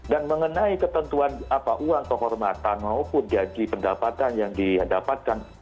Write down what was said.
dan mengenai ketentuan uang kehormatan maupun gaji pendapatan yang didapatkan